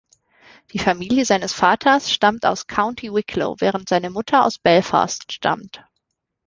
Die Familie seines Vaters stammt aus County Wicklow, während seine Mutter aus Belfast stammt.